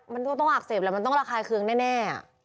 มันต้องอักเสบแล้วมันต้องระคายเคืองแน่